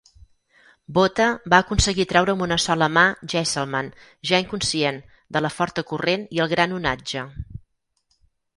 Botha va aconseguir treure amb una sola mà Geiselman, ja inconscient, de la forta corrent i el gran onatge.